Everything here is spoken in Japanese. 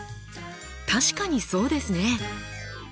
確かにそうですね！